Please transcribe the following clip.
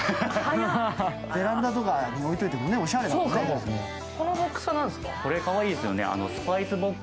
ベランダとかに置いておいてもおしゃれだもんね。